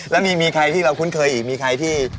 แล้วมีใครที่เราคุ้นเคยอีกมีใครที่